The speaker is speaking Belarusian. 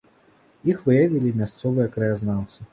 Іх выявілі мясцовыя краязнаўцы.